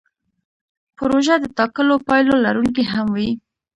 پروژه د ټاکلو پایلو لرونکې هم وي.